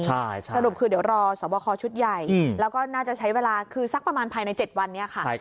สรุปคือเดี๋ยวรอสอบคอชุดใหญ่แล้วก็น่าจะใช้เวลาคือสักประมาณภายใน๗วันนี้ค่ะ